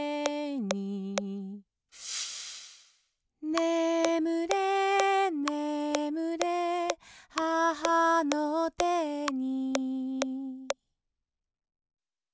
「ねむれねむれ母の手に」